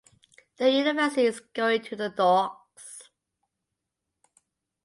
The University is going to the dogs.